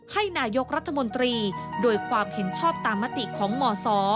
ให้นายกรัฐมนตรีโดยความเห็นชอบตามมติของหมอศ